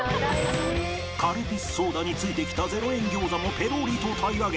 カルピスソーダに付いてきた０円餃子もペロリと平らげ